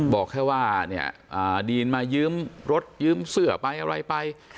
บอกแค่ว่าเนี่ยดีนมายืมรถยืมเสื้อไปอะไรไป